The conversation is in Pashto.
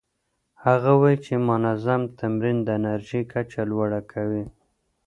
هغه وايي چې منظم تمرین د انرژۍ کچه لوړه کوي.